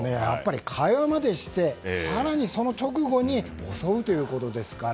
会話までして更にその直後に襲うということですから。